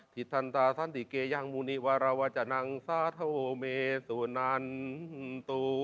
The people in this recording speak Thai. ทิศันตราสันติเกย่งมูณิวรรวจนังสัทโฮเมตุนันตุ